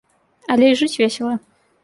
Але і жыць весела.